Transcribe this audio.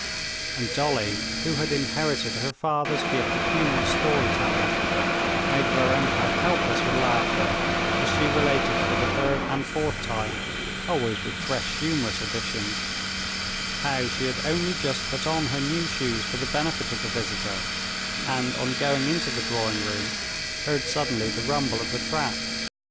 And Dolly, who had inherited her father's gift of humorous storytelling, made Varenka helpless with laughter as she related for the third and fourth time, always with fresh humorous additions, how she had only just put on her new shoes for the benefit of the visitor, and on going into the drawing room, heard suddenly the rumble of the trap.